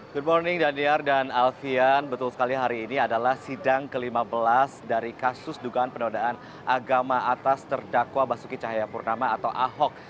good morning daniar dan alfian betul sekali hari ini adalah sidang ke lima belas dari kasus dugaan penodaan agama atas terdakwa basuki cahayapurnama atau ahok